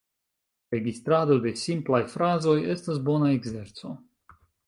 Registrado de simplaj frazoj estas bona ekzerco.